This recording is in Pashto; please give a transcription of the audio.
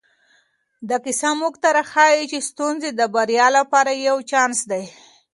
دا کیسه موږ ته راښيي چې ستونزې د بریا لپاره یو چانس دی.